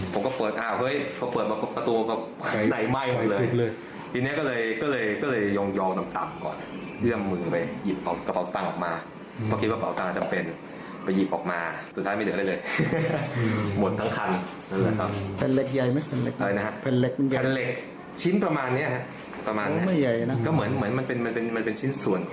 พอเปิดประตูไหนมันไหม้ไป